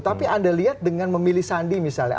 tapi anda lihat dengan memilih sandi misalnya